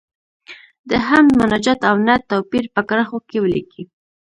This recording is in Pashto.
د حمد، مناجات او نعت توپیر په کرښو کې ولیکئ.